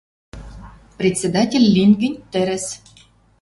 Председатель лин гӹнь, тӹрӹс